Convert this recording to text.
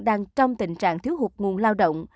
đang trong tình trạng thiếu hụt nguồn lao động